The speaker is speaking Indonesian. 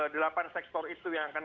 delapan sektor itu yang akan